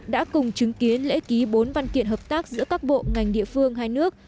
đã cùng chứng kiến lễ ký bốn văn kiện hợp tác giữa các bộ ngành địa phương hai nước